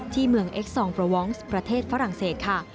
ที่เมืองเอ็กซองประวองซ์ประเทศฝรั่งเศสค่ะ